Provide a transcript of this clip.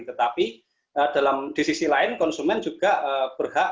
tetapi di sisi lain konsumen juga berhak